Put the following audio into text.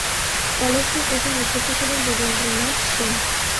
কলেজটির প্রথম অধ্যক্ষ ছিলেন যোগেন্দ্রনাথ সেন।